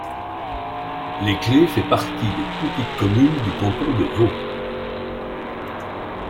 Les Clées fait partie des petites communes du canton de Vaud.